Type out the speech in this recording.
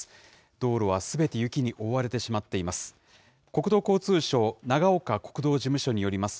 道路はすべて雪に覆われてしまっています。